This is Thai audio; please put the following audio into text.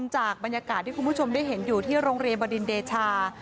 จากบรรยากาศที่คุณผู้ชมได้เห็นอยู่ที่โรงเรียนบดินเดชา